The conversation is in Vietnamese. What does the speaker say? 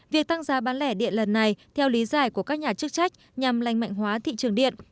việc tăng giá bán lẻ điện lần này theo lý giải của các nhà chức trách nhằm lành mạnh hóa thị trường điện